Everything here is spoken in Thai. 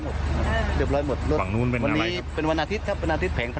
เห็นไหมไม่